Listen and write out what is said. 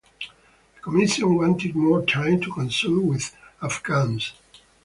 The commission wanted more time to consult with Afghans.